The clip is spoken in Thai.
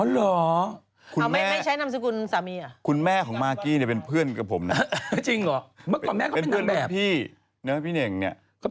แล้วก็ยังสวยเหมือนพี่สาวมากี้มากกว่าเป็นแม่